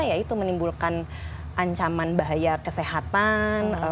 yaitu menimbulkan ancaman bahaya kesehatan